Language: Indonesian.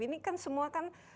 ini kan semua kan